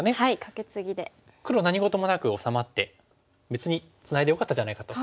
黒何事もなく治まって別にツナいでよかったじゃないかと。